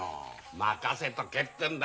任せとけってんだ。